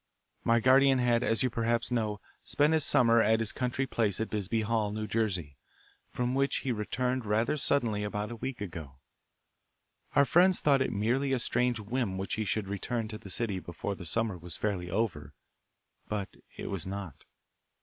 My guardian had, as you perhaps know, spent his summer at his country place at Bisbee Hall, New Jersey, from which he returned rather suddenly about a week ago. Our friends thought it merely a strange whim that he should return to the city before the summer was fairly over, but it was not.